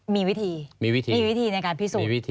มีวิธีมีวิธีมีวิธีในการพิสูจน์